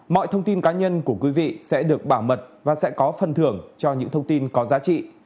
mọi thông tin cá nhân của quý vị sẽ được bảo mật và sẽ có phần thưởng cho những thông tin có giá trị